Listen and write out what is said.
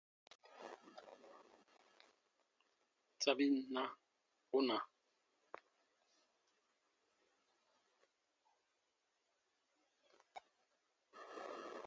Sabin na, ù na.